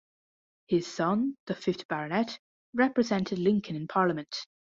His son, the fifth Baronet, represented Lincoln in Parliament.